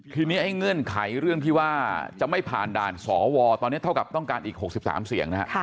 ทีนี้ไอ้เงื่อนไขเรื่องที่ว่าจะไม่ผ่านด่านสวตอนนี้เท่ากับต้องการอีก๖๓เสียงนะฮะ